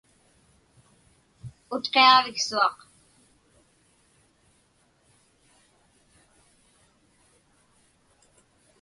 Utqiaġviksuaq.